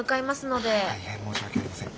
大変申し訳ありません。